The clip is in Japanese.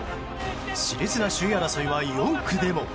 熾烈な首位争いは４区でも。